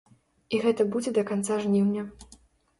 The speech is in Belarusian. І гэта будзе да канца жніўня.